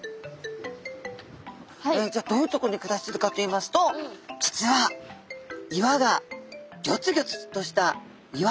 じゃあどういうところに暮らしているかといいますと実は岩がギョツギョツとした岩場。